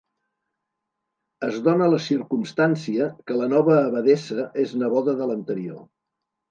Es dóna la circumstància que la nova abadessa és neboda de l'anterior.